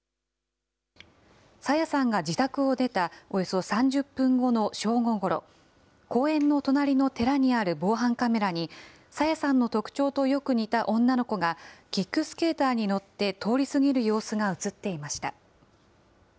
朝芽さんが自宅を出たおよそ３０分後の正午ごろ、公園の隣の寺にある防犯カメラに、朝芽さんの特徴とよく似た女の子が、キックスケーターに乗って通り過ぎる様子が写っていました。